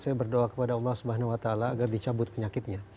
saya berdoa kepada allah swt agar dicabut penyakitnya